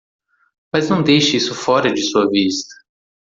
Mas não deixe isso fora de sua vista.